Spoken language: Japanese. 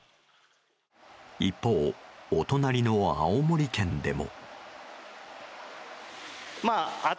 一方、お隣の青森県でも。